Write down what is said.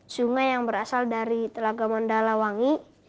sungai yang berasal dari telaga mandala wangi